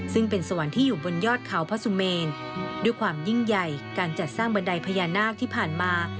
ซึ่งเป็นสวรรค์ที่อยู่บนยอดเขาพระสุเมนด้วยความยิ่งใหญ่การจัดสร้างบันไดพญานาคที่ผ่านมา